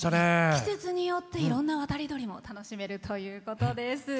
季節によっていろんな渡り鳥を楽しめるということです。